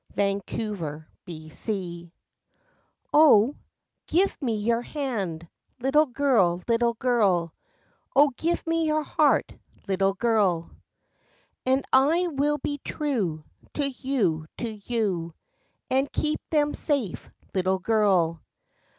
THE PROMISE 0, give me your hand Little girl, little girl, 0, give me your heart, Little Girl. And I will be true To you, to you, And keep them safe Little girl.